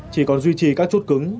chỉ còn duy trì các chút cứng